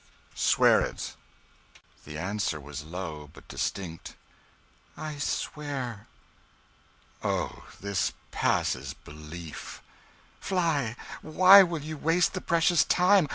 "Swear it!" The answer was low, but distinct "I swear." "Oh, this passes belief!" "Fly! Why will you waste the precious time?